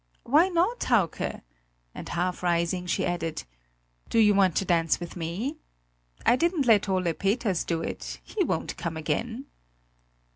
"Why not, Hauke?" and half rising she added: "Do you want to dance with me? I didn't let Ole Peters do it; he won't come again!"